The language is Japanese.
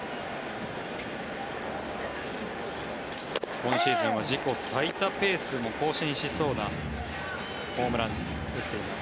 今シーズンは自己最多ペースも更新しそうなホームランを打っています。